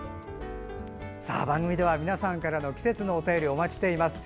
番組では皆さんから季節のお便りお待ちしております。